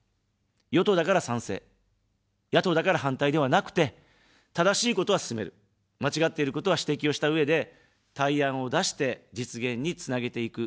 与党だから賛成、野党だから反対ではなくて、正しいことは進める、間違っていることは指摘をしたうえで、対案を出して実現につなげていく。